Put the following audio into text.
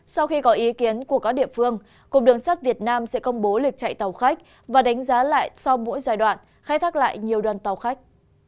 sau khi có ý kiến của các địa phương cục đường sắt việt nam sẽ công bố lịch chạy tàu khách và đánh giá lại sau mỗi giai đoạn khai thác lại nhiều đoàn tàu khách